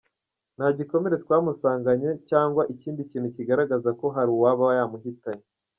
Nta gikomere twamusanganye cyangwa ikindi kintu kigaragaraza ko hari uwaba yamuhitanye.